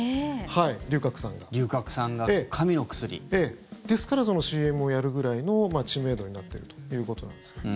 龍角散が神の薬。ですからＣＭをやるぐらいの知名度になっているということなんです。